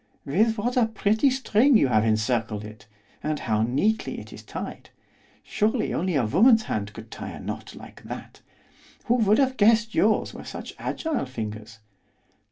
'With what a pretty string you have encircled it, and how neatly it is tied! Surely only a woman's hand could tie a knot like that, who would have guessed yours were such agile fingers?